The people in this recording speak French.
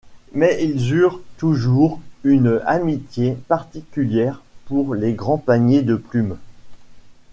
Mais ils eurent toujours une amitié particulière pour les grands paniers de plumes.